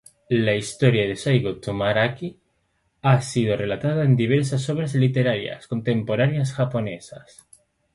La historia de Saigō Takamori ha sido relatada en diversas obras literarias contemporáneas japonesas.